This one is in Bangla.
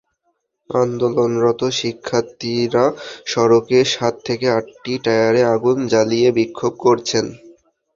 আন্দোলনরত শিক্ষার্থীরা সড়কে সাত থেকে আটটি টায়ারে আগুন জ্বালিয়ে বিক্ষোভ করছেন।